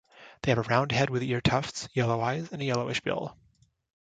They have a round head with ear tufts, yellow eyes and a yellowish bill.